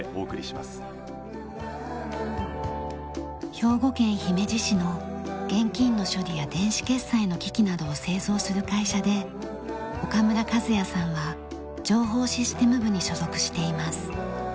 兵庫県姫路市の現金の処理や電子決済の機器などを製造する会社で岡村一矢さんは情報システム部に所属しています。